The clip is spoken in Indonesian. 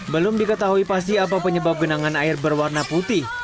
belum diketahui pasti apa penyebab genangan air berwarna putih